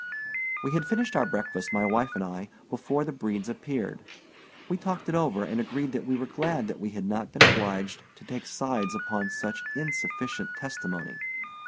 We had finished our breakfast, my wife and I, before the Bredes appeared. We talked it over, and agreed that we were glad that we had not been obliged to take sides upon such insufficient testimony.